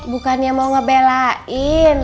bukannya mau ngebelain